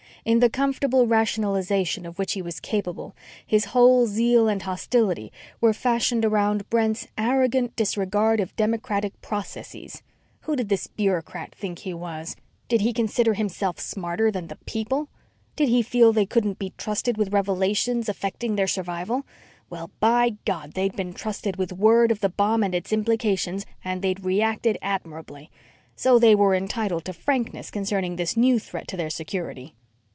In the comfortable rationalization of which he was capable, his whole zeal and hostility were fashioned around Brent's "arrogant disregard of democratic processes." Who did this bureaucrat think he was? Did he consider himself smarter than the People? Did he feel they couldn't be trusted with revelations affecting their survival? Well, by God, they'd been trusted with word of the bomb and its implications, and they'd reacted admirably. So they were entitled to frankness concerning this new threat to their security.